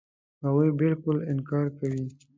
هغوی بالکل انکار کوي.